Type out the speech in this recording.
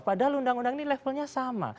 padahal undang undang ini levelnya sama